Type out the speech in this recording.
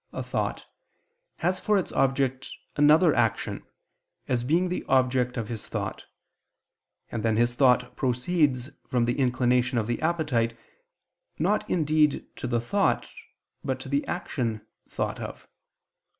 a thought, has for its object another action, as being the object of his thought; and then his thought proceeds from the inclination of the appetite, not indeed to the thought, but to the action thought of.